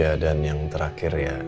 ya dan yang terakhir ya